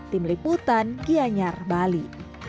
tim liputan gianyar bali